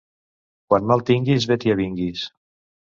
Quan mal tinguis bé t'hi avinguis.